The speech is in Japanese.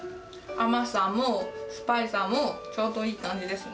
甘さも酸っぱさもちょうどいい感じですね。